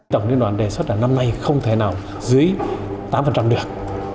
tổng liên đoàn đề xuất là năm nay không thể nào dưới tám được